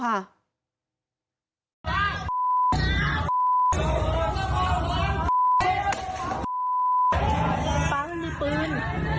ป๊ามันมีปืน